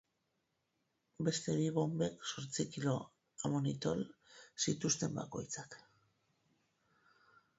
Beste bi bonbek zortzi kilo amonitol zituzten bakoitzak.